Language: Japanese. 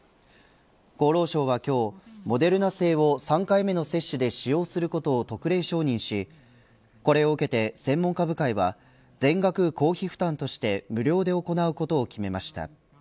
厚労省は今日モデルナ製を３回目の接種で使用することを特例承認しこれを受けて専門家部会は全額公費負担として無料で行うことを決めました。